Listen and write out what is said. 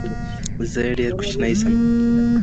زه ډېر كوچنى سم